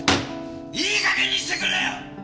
いい加減にしてくれよ！